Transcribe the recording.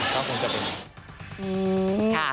ก็คงจะเป็นอย่างนี้